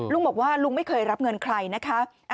ลุงบอกว่าลุงไม่เคยรับเงินใครนะคะ